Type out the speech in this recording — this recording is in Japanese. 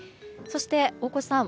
そして、大越さん